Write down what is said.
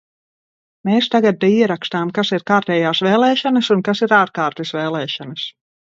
Mēs tagad te ierakstām, kas ir kārtējās vēlēšanas un kas ir ārkārtas vēlēšanas.